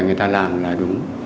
người ta làm là đúng